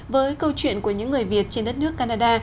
với câu chuyện của những người việt trên đất nước canada